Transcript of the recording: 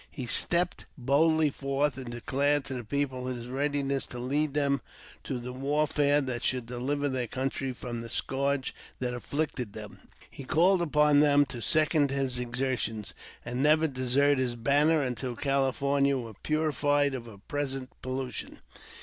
He stepped boldly forth, and declared to the people his readiness to lead them to the war fare that should deliver their country from the scourge that afflicted them ; he called upon them to second his exertions, and never desert his banner until California were purified of her present pollution.